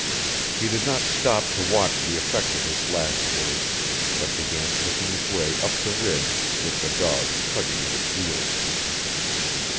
He did not stop to watch the effect of his last words, but began picking his way up the ridge with the dogs tugging at his heels.